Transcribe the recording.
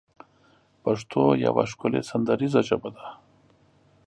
پښتو يوه ښکلې سندريزه ژبه ده